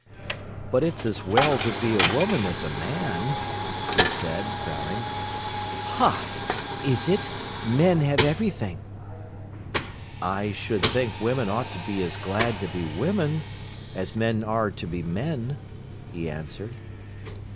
"But it's as well to be a woman as a man," he said, frowning. "Ha! Is it? Men have everything." "I should think women ought to be as glad to be women as men are to be men," he answered.